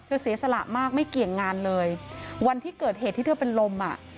เสียสละมากไม่เกี่ยงงานเลยวันที่เกิดเหตุที่เธอเป็นลมอ่ะ